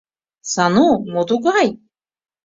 — Сану, мо тугай?!